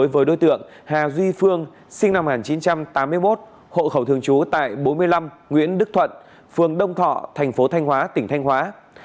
với đối tượng hà duy phương sinh năm một nghìn chín trăm tám mươi một hộ khẩu thường trú tại bốn mươi năm nguyễn đức thuận phường đông thọ thành phố thanh hóa tỉnh thanh hóa